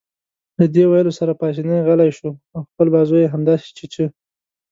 له دې ویلو سره پاسیني غلی شو او خپل بازو يې همداسې چیچه.